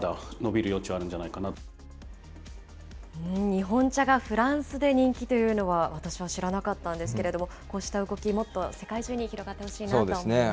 日本茶がフランスで人気というのは私は知らなかったんですけれども、こうした動き、もっと世界中に広がってほしいなと思いました。